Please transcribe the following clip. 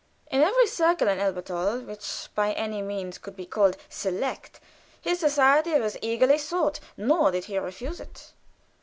In every circle in Elberthal which could by any means be called select, his society was eagerly sought, nor did he refuse it.